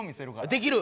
できる？